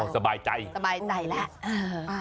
สบายใจสบายใจแล้ว